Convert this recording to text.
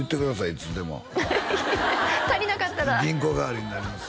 いつでもはい足りなかったら銀行代わりになります